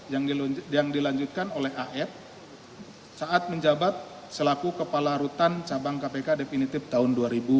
yang dilanjutkan oleh ar saat menjabat selaku kepala rutan cabang kpk definitif tahun dua ribu dua puluh